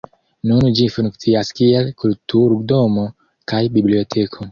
Nun ĝi funkcias kiel kulturdomo kaj biblioteko.